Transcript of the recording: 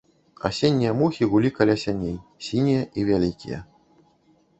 Асеннія мухі гулі каля сяней, сінія і вялікія.